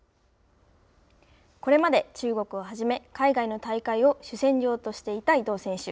これまで中国を初め海外の大会を主戦場としていた伊藤選手。